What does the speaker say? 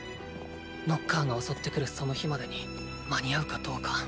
ノッカーが襲ってくるその日までに間に合うかどうか。